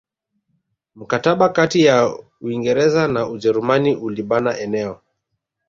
Mkataba kati ya Uingereza na Ujerumani ulibana eneo